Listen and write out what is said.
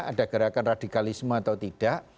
ada gerakan radikalisme atau tidak